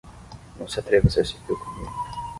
Não se atreva a ser civil comigo!